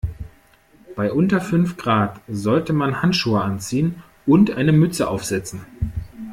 Bei unter fünf Grad sollte man Handschuhe anziehen und eine Mütze aufsetzen.